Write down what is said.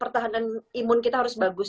pertahanan imun kita harus bagus